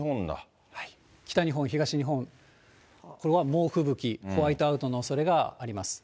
北日本、東日本、猛吹雪、ホワイトアウトのおそれがあります。